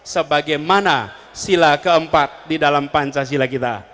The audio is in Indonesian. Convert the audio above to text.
sebagaimana sila keempat di dalam pancasila kita